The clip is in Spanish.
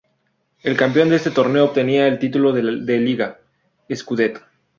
El campeón de este torneo obtenía el título de liga o "Scudetto".